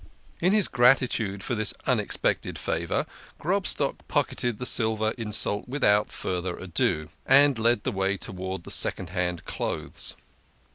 In his gratitude for this unexpected favour, Grobstock pocketed the silver insult without further ado, and led the way towards the second hand clothes.